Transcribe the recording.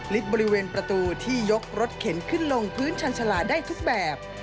บริเวณประตูที่ยกรถเข็นขึ้นลงพื้นชันชาลาได้ทุกแบบ